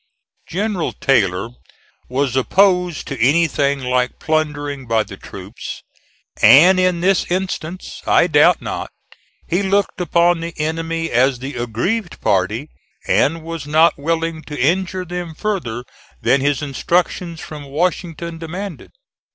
General Taylor was opposed to anything like plundering by the troops, and in this instance, I doubt not, he looked upon the enemy as the aggrieved party and was not willing to injure them further than his instructions from Washington demanded.